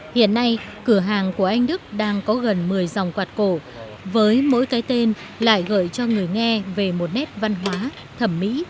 hiện nay cửa hàng của anh đức đang có gần một mươi dòng quạt cổ với mỗi cái tên lại gợi cho người nghe về một nét văn hóa thẩm mỹ